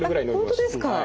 えっ本当ですか。